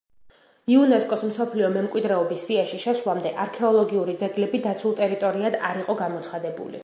იუნესკოს მსოფლიო მემკვიდრეობის სიაში შესვლამდე, არექოლოგიური ძეგლები დაცულ ტერიტორიად არ იყო გამოცხადებული.